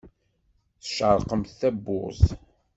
Tcerrqemt tawwurt.